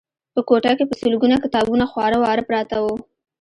په کوټه کې په سلګونه کتابونه خواره واره پراته وو